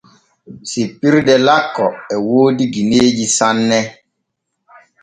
Sippirde lakko e woodi gineeji sanne.